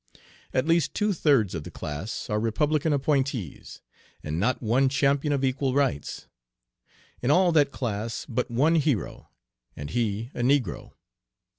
At least two thirds of the class are Republican appointees; and not one champion of equal rights. In all that class but one hero and he a negro.